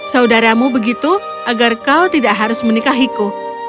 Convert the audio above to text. saudaramu begitu agar kau tidak harus menikahiku